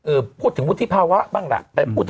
เอ่อพูดถึงวุฒิภาวะบ้างล่ะโยนอยู่